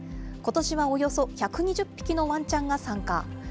ことしはおよそ１２０匹のワンちゃんが参加。